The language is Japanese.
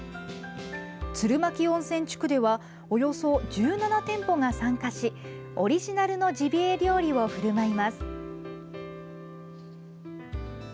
鶴巻温泉地区ではおよそ１７店舗が参加しオリジナルのジビエ料理をふるまいます。